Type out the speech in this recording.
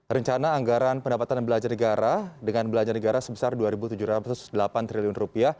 rencana anggaran pendapatan belanja negara dengan belanja negara sebesar rp dua tujuh ratus delapan triliun